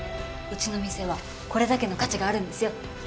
うちの店はこれだけの価値があるんですよ。